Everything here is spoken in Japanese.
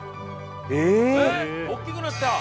おっきくなった！